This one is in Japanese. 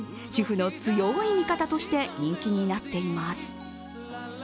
主婦の強い味方として人気になっています。